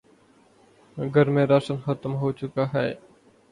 گھر میں راشن ختم ہو چکا ہے